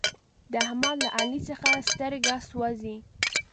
د احمد له علي څخه سترګه سوزي.